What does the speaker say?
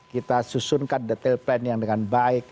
kita susunkan detail plan yang dengan baik